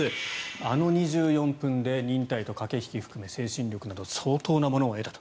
あの２４分で忍耐と駆け引きを含め精神力など相当なものを得たと。